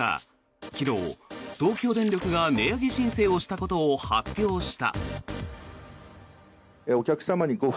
昨日、東京電力が値上げ申請したことを発表した。